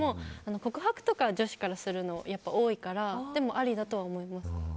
告白とか女子からするの多いからでも、ありだとは思います。